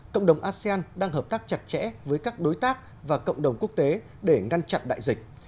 cộng đồng asean đang hợp tác chặt chẽ với các đối tác và cộng đồng quốc tế để ngăn chặn đại dịch